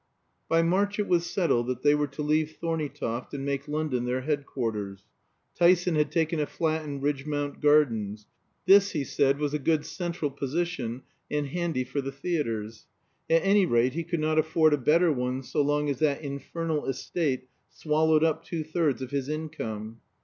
By March it was settled that they were to leave Thorneytoft and make London their headquarters. Tyson had taken a flat in Ridgmount Gardens. This, he said, was a good central position and handy for the theatres. At any rate, he could not afford a better one so long as that infernal estate swallowed up two thirds of his income.